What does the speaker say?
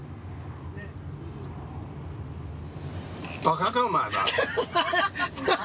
バカかお前は！